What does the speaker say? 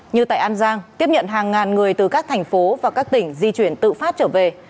như tại an giang tiếp nhận hàng ngàn người từ các thành phố và các tỉnh di chuyển tự phát trở về